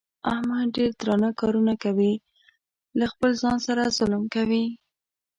احمد ډېر درانه کارونه کوي. له خپل ځان سره ظلم کوي.